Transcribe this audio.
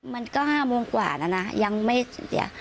มันก็๕โมงกว่านะนะยังไม่เสีย